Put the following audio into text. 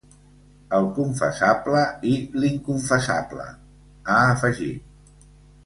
El confessable i l’inconfessable, ha afegit.